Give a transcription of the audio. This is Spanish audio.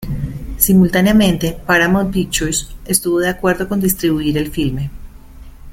Simultáneamente, Paramount Pictures estuvo de acuerdo con distribuir el filme.